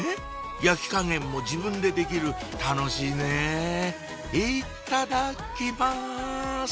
焼き加減も自分でできる楽しいねいっただきます！